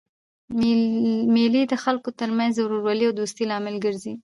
مېلې د خلکو ترمنځ د ورورولۍ او دوستۍ لامل ګرځي.